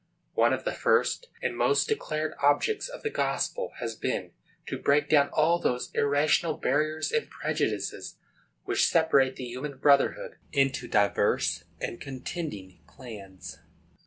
One of the first and most declared objects of the gospel has been to break down all those irrational barriers and prejudices which separate the human brotherhood into diverse and contending clans.